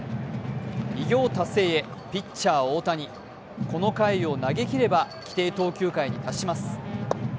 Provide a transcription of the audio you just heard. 偉業達成へピッチャー・大谷、この回を投げ切れば規定投球回に達します。